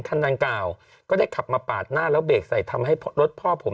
คันดังกล่าวก็ได้ขับมาปาดหน้าแล้วเบรกใส่ทำให้รถพ่อผม